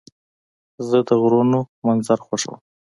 زه د غرونو منظر خوښوم.